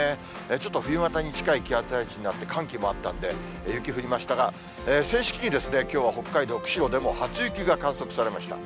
ちょっと冬型に近い気圧配置になって、寒気もあったんで、雪降りましたが、正式にきょうは北海道釧路でも初雪が観測されました。